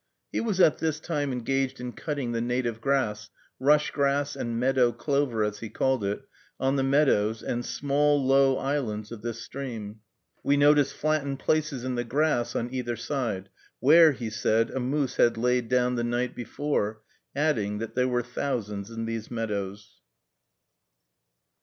He was at this time engaged in cutting the native grass rush grass and meadow clover, as he called it on the meadows and small, low islands of this stream. We noticed flattened places in the grass on either side, where, he said, a moose had laid down the night before, adding, that there were thousands in these meadows.